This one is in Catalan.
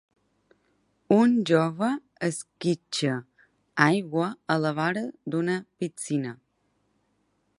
Un jove esquitxa aigua a la vora d'una piscina.